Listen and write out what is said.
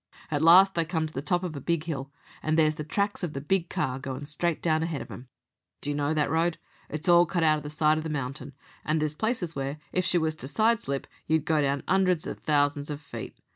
At last they come to the top of the big 'ill, and there's the tracks of the big car goin' straight down ahead of 'em. "D'you know that road? It's all cut out of the side of the mountain, and there's places where if she was to side slip you'd go down 'undreds of thousands of feet.